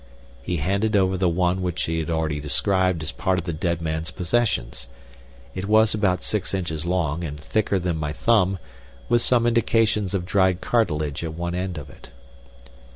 He handed over the one which he had already described as part of the dead man's possessions. It was about six inches long, and thicker than my thumb, with some indications of dried cartilage at one end of it.